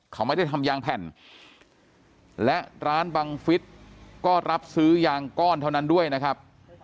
เขาไม่ได้ทำยางแผ่นและร้านบังฟิศก็รับซื้อยางก้อนเท่านั้นด้วยนะครับ